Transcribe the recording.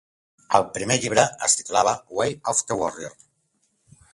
El primer llibre es titulava "Way of the Warrior".